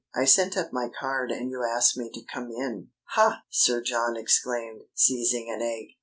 "I sent up my card and you asked me to come in." "Ha!" Sir John exclaimed, seizing an egg.